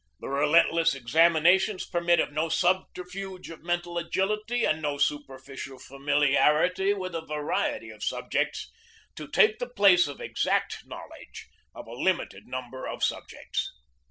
The relentless examina tions permit of no subterfuge of mental agility and no superficial familiarity with a variety of subjects to take the place of exact knowledge of a limited num 22 GEORGE DEWEY her of subjects.